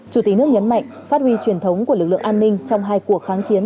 chủ tịch nước nhấn mạnh phát huy truyền thống của lực lượng an ninh trong hai cuộc kháng chiến